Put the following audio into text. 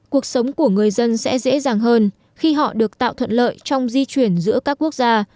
cuộc sống của người dân sẽ dễ dàng hơn khi họ được tạo thuận lợi trong di chuyển giữa các quốc gia